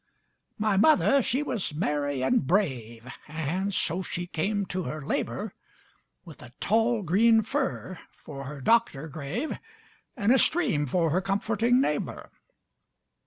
My mother, she was merry and brave, And so she came to her labor, With a tall green fir for her doctor grave And a stream for her comforting neighbor.